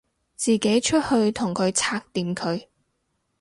自己出去同佢拆掂佢